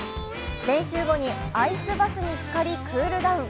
練習後にアイスバスにつかりクールダウン。